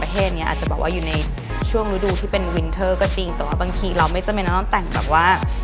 ประเทศเนี้ยอาจจะแบบว่าอยู่ในช่วงฤดูที่เป็นวินเทอร์ก็จริงแต่ว่าบางทีเราไม่จำเป็นต้องแต่งแบบว่า